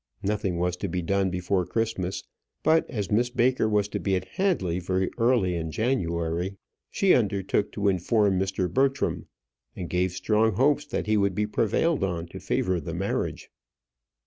Nothing was to be done before Christmas; but as Miss Baker was to be at Hadley very early in January, she undertook to inform Mr. Bertram, and gave strong hopes that he would be prevailed on to favour the marriage.